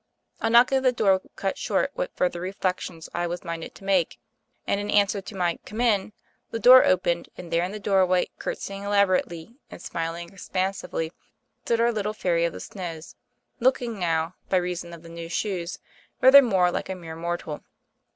A knock at the door cut short what further reflections I was minded to make, and in answer to my "Come in" the door opened; and there in the doorway curtsying elaborately and smiling expansively stood our little fairy of the snows, looking now, by reason of the new shoes, rather more like a mere mortal.